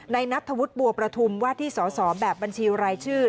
นัทธวุฒิบัวประทุมว่าที่สอสอแบบบัญชีรายชื่อ